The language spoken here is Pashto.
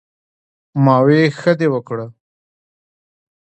" ـ ما وې " ښۀ دې وکړۀ " ـ